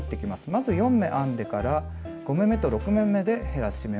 まず４目編んでから５目めと６目めで減らし目をします。